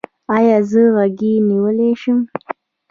ایا زه غیږه نیولی شم؟